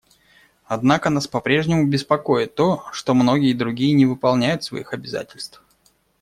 Однако нас попрежнему беспокоит то, что многие другие не выполняют своих обязательств.